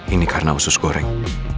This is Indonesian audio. ini karena usus goreng